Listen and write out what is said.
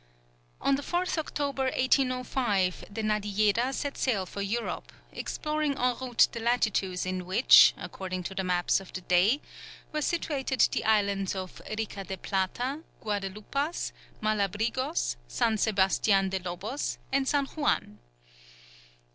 On the 4th October, 1805, the Nadiejeda set sail for Europe; exploring en route the latitudes in which, according to the maps of the day, were situated the islands of Rica de Plata, Guadalupas, Malabrigos, St. Sebastian de Lobos, and San Juan.